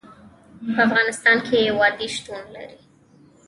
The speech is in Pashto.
په افغانستان کې وادي شتون لري.